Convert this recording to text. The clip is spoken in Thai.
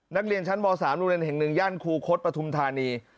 นักเรียนชั้นวสามรุงเรียนแห่งหนึ่งย่านครูคตประทุมธานี